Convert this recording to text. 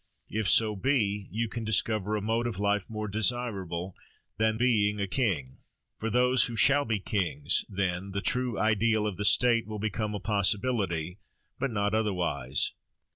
If so be, you can discover a mode of life more desirable than the being a king, for those who shall be kings; then, the true Ideal of the State will become a possibility; but not otherwise.